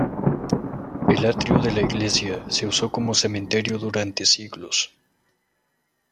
El atrio de la iglesia se usó como cementerio durante siglos.